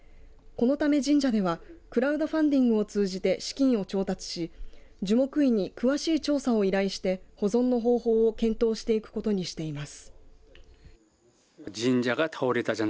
このため神社ではクラウドファンディングを通じて資金を調達し樹木医に詳しい調査を依頼して保存の方法を検討していくことにしています。